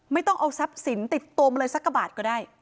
ไม่ต้องเอาทรัพย์สินติดตัวมาเลยสักกระบาทก็ได้